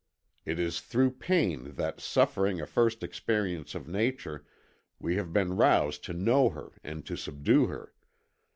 It is through pain that, suffering a first experience of Nature, we have been roused to know her and to subdue her.